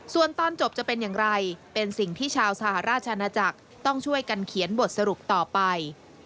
ส่วนตอนจบจะเป็นอย่างไรเป็นสิ่งที่ชาวสหราชอาณาจักรต้องช่วยกันเขียนบทสรุปต่อไป